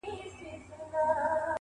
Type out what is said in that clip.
ورور مي دی هغه دی ما خپله وژني.